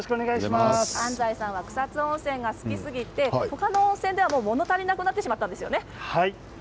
安斉さんは草津温泉が好きすぎて他の温泉ではもの足りなくなってしまったんですよね。